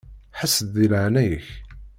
Ḥess-d di leɛnaya-k.